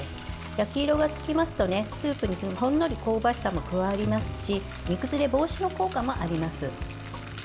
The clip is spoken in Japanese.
焼き色がつきますと、スープにほんのり香ばしさも加わりますし煮崩れ防止の効果もあります。